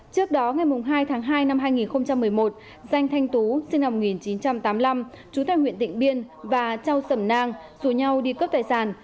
trước đó ngày hai tháng hai năm hai nghìn một mươi một danh thanh tú sinh năm một nghìn chín trăm tám mươi năm trú tại huyện tịnh biên và châu sầm nang rủ nhau đi cướp tài sản